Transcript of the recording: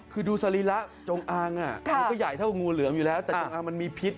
คือดูสรีระจงอางมันก็ใหญ่เท่างูเหลือมอยู่แล้วแต่จงอางมันมีพิษ